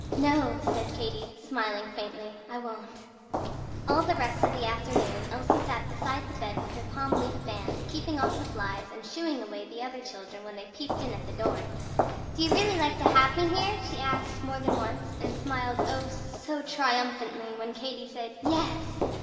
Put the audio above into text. "No!" said Katy, smiling faintly, "I won't." All the rest of the afternoon Elsie sat beside the bed with her palm leaf fan, keeping off the flies, and "shue" ing away the other children when they peeped in at the door. "Do you really like to have me here?" she asked, more than once, and smiled, oh, so triumphantly! when Katy said "Yes!"